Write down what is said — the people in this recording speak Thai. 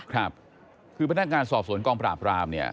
ครับคือพนักงานสอบสวนกองปราบรามเนี่ย